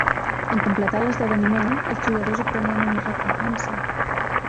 En completar l'esdeveniment, els jugadors obtenien una recompensa.